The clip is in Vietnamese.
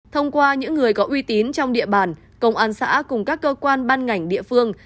thông qua những người có uy tín trong địa bàn công an xã cùng các cơ quan ban ngành địa phương